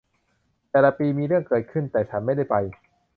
แต่ละปีมีเรื่องเกิดขึ้น แต่ฉันไม่ได้ไป